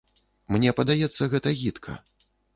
Мне падаецца, гэта гідка.